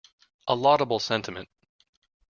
A laudable sentiment.